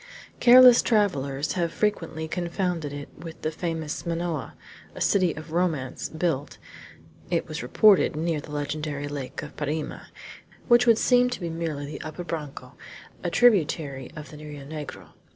Careless travelers have frequently confounded it with the famous Manoa, a city of romance, built, it was reported, near the legendary lake of Parima which would seem to be merely the Upper Branco, a tributary of the Rio Negro.